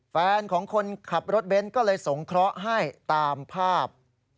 แฟนของคนขับรถเบนท์ก็เลยสงเคราะห์ให้ตามภาพ